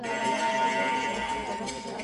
چي بوډا رخصتېدی له هسپتاله